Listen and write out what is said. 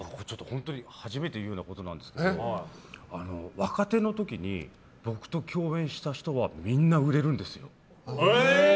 初めて言うようなことなんですけど若手の時に僕と共演した人はみんな売れるんですよ。